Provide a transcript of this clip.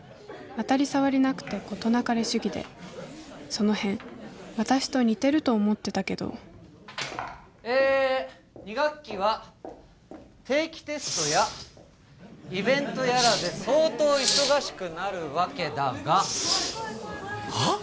当たり障りなくて事なかれ主義でその辺私と似てると思ってたけどえっ２学期は定期テストやイベントやらで相当忙しくなるわけだがはっ？